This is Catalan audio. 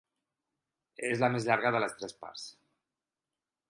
És la més llarga de les tres parts.